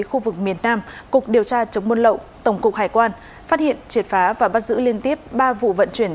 của việt nam cục điều tra chống buôn lộ tổng cục hải quan phát hiện triệt phá và bắt giữ liên tiếp ba vụ vận chuyển